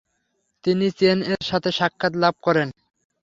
তিনি চেন-এর সাথে সাক্ষাৎ লাভ করেন।